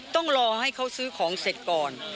ต้องรอให้เขาซื้อของเสร็จก่อน